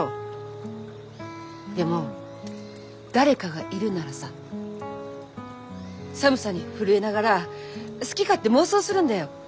でも誰かがいるならさ寒さに震えながら好き勝手妄想するんだよ。